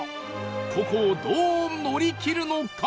ここをどう乗り切るのか？